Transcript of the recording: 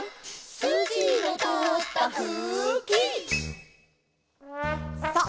「すじのとおったふき」さあ